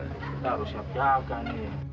kita harus siapkan